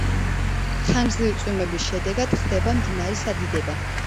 ხანგრძლივი წვიმების შედეგად ხდება მდინარის ადიდება.